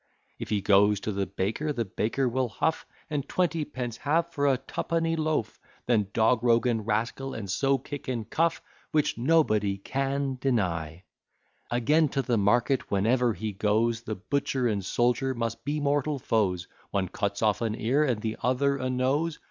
If he goes to the baker, the baker will huff, And twentypence have for a twopenny loaf, Then dog, rogue, and rascal, and so kick and cuff. Which, &c. Again, to the market whenever he goes, The butcher and soldier must be mortal foes, One cuts off an ear, and the other a nose.